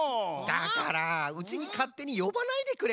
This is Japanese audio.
だからうちにかってによばないでくれる？